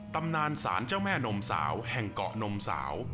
ตำนานศาลเจ้าแม่นมสาวแห่งเกาะนมสาว